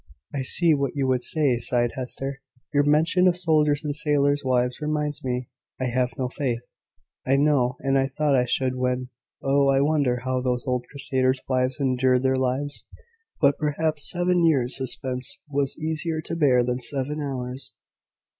"I see what you would say," sighed Hester; "your mention of soldiers' and sailors' wives reminds me. I have no faith, I know: and I thought I should when . Oh, I wonder how those old crusaders' wives endured their lives! But, perhaps, seven years' suspense was easier to bear than seven hours'."